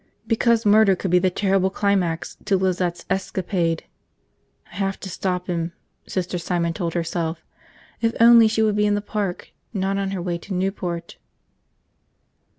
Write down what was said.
Because murder could be the terrible climax to Lizette's escapade. I have to stop him, Sister Simon told herself, if only she would be in the park, not on her way to Newport.